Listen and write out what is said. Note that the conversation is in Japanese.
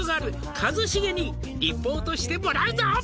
「一茂にリポートしてもらうぞ」